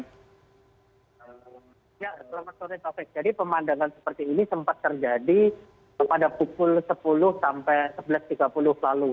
ya selamat sore taufik jadi pemandangan seperti ini sempat terjadi pada pukul sepuluh sampai sebelas tiga puluh lalu